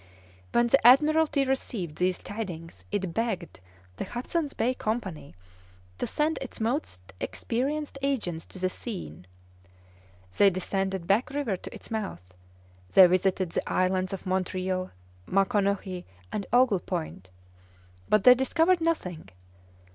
When the Admiralty received these tidings it begged the Hudson's Bay Company to send its most experienced agents to the scene. They descended Back River to its mouth. They visited the islands of Montreal, Maconochie, and Ogle Point. But they discovered nothing.